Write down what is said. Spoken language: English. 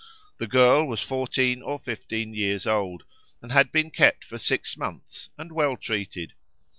The girl was fourteen or fifteen years old and had been kept for six months and well treated.